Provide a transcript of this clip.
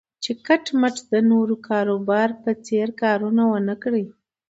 چې کټ مټ د نورو د کاروبار په څېر کارونه و نه کړي.